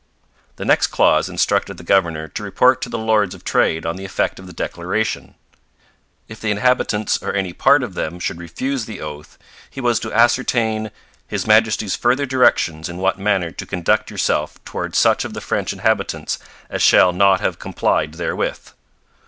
The next clause instructed the governor to report to the Lords of Trade on the effect of the declaration. If the inhabitants or any part of them should refuse the oath, he was to ascertain 'His Majesty's further directions in what manner to conduct yourself towards such of the French inhabitants as shall not have complied therewith.'